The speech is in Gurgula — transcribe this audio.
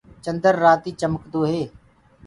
چندر رآتي چمڪدو هي۔